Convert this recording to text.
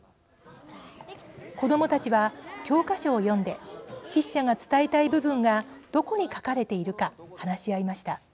子どもたちは教科書を読んで筆者が伝えたい部分がどこに書かれているか話し合いました。